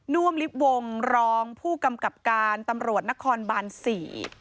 ว่มลิบวงรองผู้กำกับการตำรวจนครบานสี่